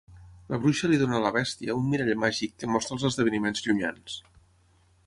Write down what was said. La bruixa li dóna a la bèstia un mirall màgic que mostra els esdeveniments llunyans.